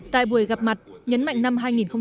tại buổi gặp mặt nhấn mạnh năm hai nghìn một mươi tám